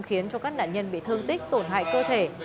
khiến cho các nạn nhân bị thương tích tổn hại cơ thể